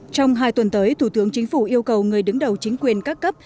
trong hai tuần tới thủ tướng chính phủ yêu cầu người đứng đầu chính quyền các cấp